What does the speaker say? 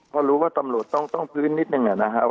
พอรู้ว่าตำรวจต้องพื้นนิดหนึ่ง